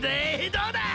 どうだ！